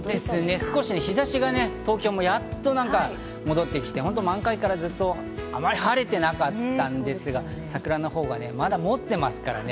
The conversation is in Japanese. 日差しがね、東京もやっと戻ってきて、満開からずっとあまり晴れてなかったんですが、桜の方がね、まだ保ってますからね。